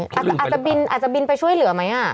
ใช่อาจจะบินอาจจะบินไปช่วยเหลือไหมอ่ะ